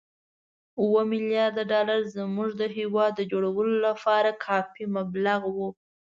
اووه ملیارده ډالر زموږ د هېواد جوړولو لپاره کافي مبلغ وو.